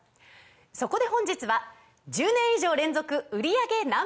そこで本日は１０年以上連続売り上げＮｏ．１